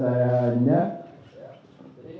jadi ini dimasukkan surat suara